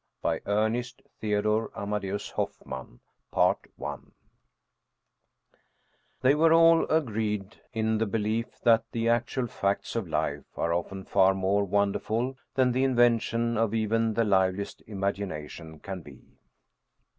" 130 Ernest Theodor Amadeus Hoffmann The Deserted House were all agreed in the belief that the actual facts of life are often far more wonderful than the inven tion of even the liveliest imagination can be.